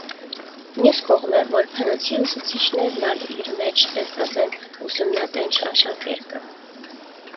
Միւս կողմէ որբանոցի ուսացիչներն ալ իր մէջ տեսած են ուսամնատենչ աշակերկը։